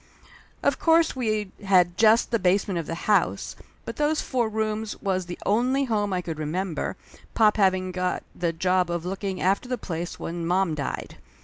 Of course we had just the basement of the house, but those four rooms was the only home I could remember, pop having got the job of looking after the place when mom died.